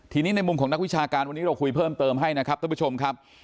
ทีนี้ในมุมของนักวิชาการวันนี้เราคุยเพิ่มเติมให้นะครับท่านผู้ชมครับ